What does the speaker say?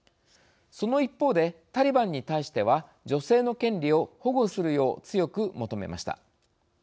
その一方で、タリバンに対しては女性の権利を保護するよう強く求めました。